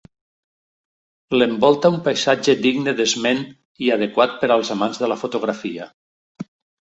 L'envolta un paisatge digne d'esment i adequat per als amants de la fotografia.